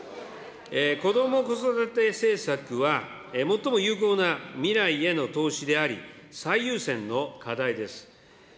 こども・子育て政策は最も有効な未来への投資であり、最優先の課題です。